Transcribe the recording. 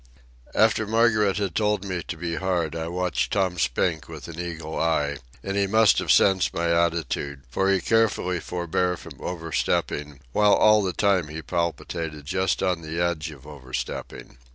After Margaret had told me to be hard I watched Tom Spink with an eagle eye, and he must have sensed my attitude, for he carefully forebore from overstepping, while all the time he palpitated just on the edge of overstepping.